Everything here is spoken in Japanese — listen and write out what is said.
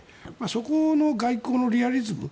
そこの外交のリアリズム。